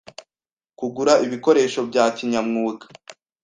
kugura ibikoresho bya kinyamwuga,